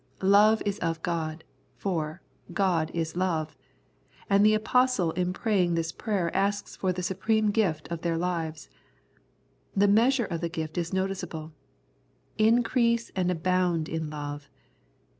" Love is of God," for " God is love "; and the Apostle in praying this prayer asks for the supreme gift of their lives. The measure of the gift is noticeable —" Increase and abound in love."